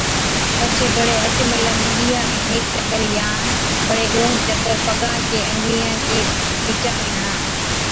پڇي بڙي هچ ملم ڏِيها ۾ هيڪ چڪر يان بڙي ڏون چڪر پگان چي انگڙِيان چي بِچا ۾ هڻا۔